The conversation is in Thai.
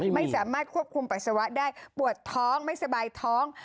ไม่สามารถควบคุมปัสสาวะได้ปวดท้องไม่สบายท้อง